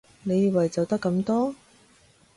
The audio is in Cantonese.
你以為就得咁多？